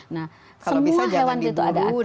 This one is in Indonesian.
nah semua hewan itu ada